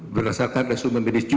berdasarkan resume medis juga